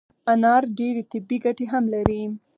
انار ډیري طبي ګټي هم لري